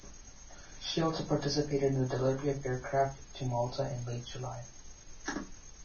She also participated in the delivery of aircraft to Malta in late July.